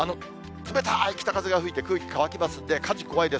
冷たい北風が吹いて空気乾きますんで、火事、怖いです。